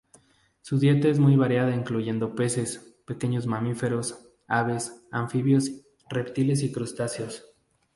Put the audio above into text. Su dieta es muy variada incluyendo peces, pequeños mamíferos, aves, anfibios, reptiles y crustáceos.